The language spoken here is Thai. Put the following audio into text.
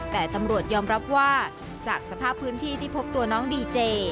แต่ตำรวจยอมรับว่าจากสภาพพื้นที่ที่พบตัวน้องดีเจ